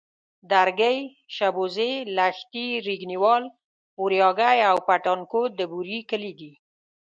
درگۍ، شبوزې، لښتي، زينگيوال، اورياگی او پټانکوټ د بوري کلي دي.